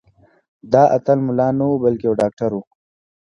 دا اتل ملا نه و بلکې یو ډاکټر و.